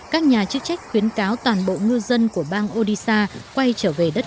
các nhà chức trách khuyến cáo toàn bộ ngư dân của bang odisha quay trở về đất